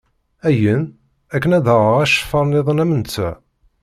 Ayen? Akken ad aɣeɣ aceffar niḍen am netta?